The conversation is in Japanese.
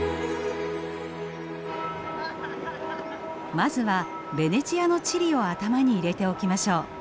まずはベネチアの地理を頭に入れておきましょう。